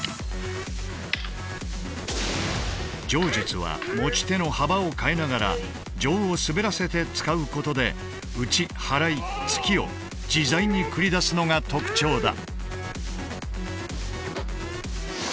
杖術は持ち手の幅を変えながら杖を滑らせて使うことで打ち払い突きを自在に繰り出すのが特徴だ。